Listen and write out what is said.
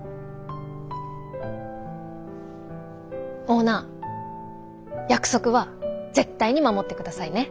オーナー約束は絶対に守ってくださいね。